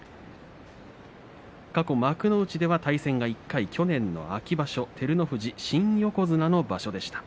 過去幕内では対戦が１回去年の秋場所照ノ富士新横綱の場所でした。